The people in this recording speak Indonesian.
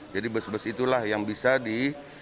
jadi bus bus itulah yang bisa di